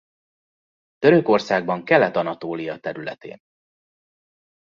Törökországban kelet Anatólia területén.